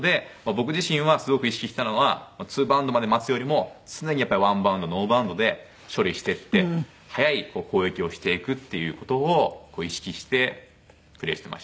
僕自身はすごく意識したのは２バウンドまで待つよりも常にやっぱり１バウンドノーバウンドで処理していって速い攻撃をしていくっていう事を意識してプレーしてました。